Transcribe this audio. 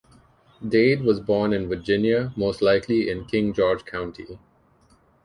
Dade was born in Virginia, most likely in King George County.